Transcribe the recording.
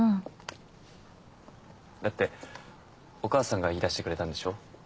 だってお母さんが言い出してくれたんでしょ？